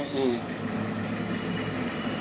สาดน้ำด้วย